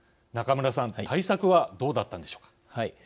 中村さん対策は、どうだったのでしょうか。